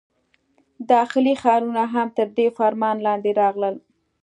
داخلي ښارونه هم تر دې فرمان لاندې راغلل.